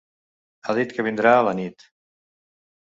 Ha dit que vindrà a la nit.